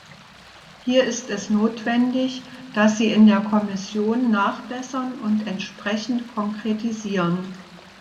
Hier ist es notwendig, dass Sie in der Kommission nachbessern und entsprechend konkretisieren.